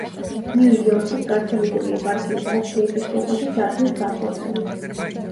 ნიუ-იორკის კათოლიკური ეპარქიის არქიეპისკოპოსის ადგილსამყოფელი.